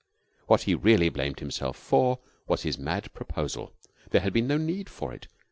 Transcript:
What he really blamed himself for was his mad proposal. There had been no need for it.